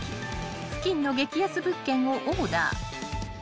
［付近の激安物件をオーダー］